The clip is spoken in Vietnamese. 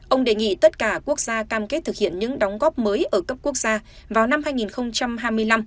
ông đề nghị tất cả quốc gia cam kết thực hiện những đóng góp mới ở cấp quốc gia vào năm hai nghìn hai mươi năm